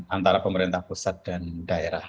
antara pemerintah pusat dan daerah